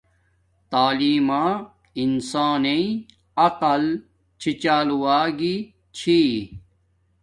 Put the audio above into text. تعیلم ما انسانس عقل چھی چال واگی چھی